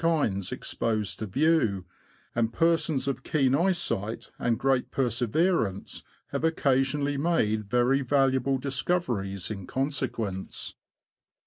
kinds exposed to view ; and persons of keen eyesight and great perseverance have occasionally made very valuable discoveries in consequence.